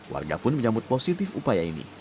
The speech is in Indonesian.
warga pun menyambut positif upaya ini